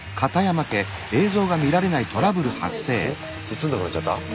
映んなくなっちゃった？